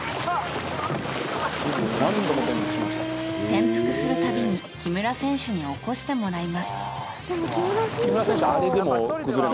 転覆する度に木村選手に起こしてもらいます。